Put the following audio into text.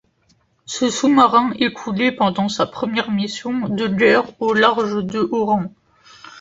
Ce sous-marin est coulé pendant sa première mission de guerre au large de Oran.